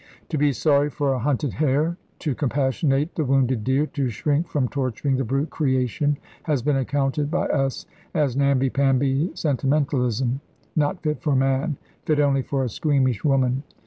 To be sorry for a hunted hare, to compassionate the wounded deer, to shrink from torturing the brute creation, has been accounted by us as namby pamby sentimentalism, not fit for man, fit only for a squeamish woman.